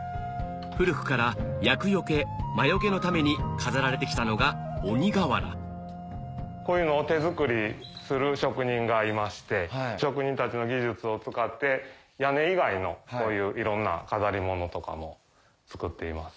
古くから厄よけ魔よけのために飾られてきたのがこういうのを手作りする職人がいまして職人たちの技術を使って屋根以外のこういういろんな飾り物とかも作っています。